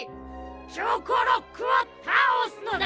チョコロックをたおすのだ！